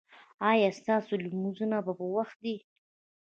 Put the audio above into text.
ایا ستاسو لمونځونه په وخت دي؟